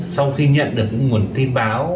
sau khi nhận được những nguồn tin báo